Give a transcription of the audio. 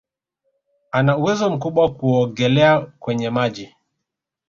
Ana uwezo mkubwa kuogelea kwenye maji